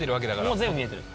もう全部見えてる。